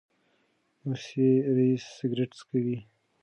موسسې رییس سګرټ څکوي.